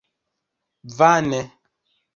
Vane!